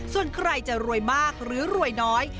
ส่วนใครจะรวยมากหรือรวยน้อย